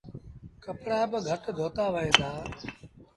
ڪپڙآ با گھٽ دوتآ وهيݩ دآ۔